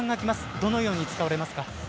どのように使われますか？